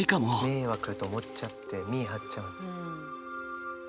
迷惑と思っちゃって見え張っちゃうんだ。